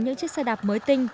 những chiếc xe đạp mới tinh